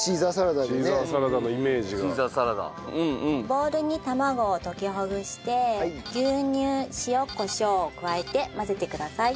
ボウルに卵を溶きほぐして牛乳塩コショウを加えて混ぜてください。